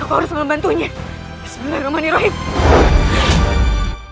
aku harus memantunya sebenarnya